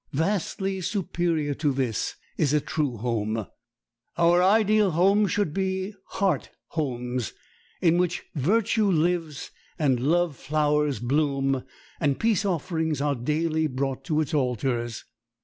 Vastly superior to this is a true home. Our ideal homes should be heart homes, in which virtue lives and love flowers bloom and peace offerings are daily brought to its altars.